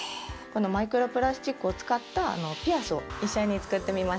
このマイクロプラスチックを使ったピアスを一緒に作ってみましょう。